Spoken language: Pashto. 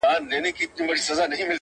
خدایه ملیار مي له ګلونو سره لوبي کوي-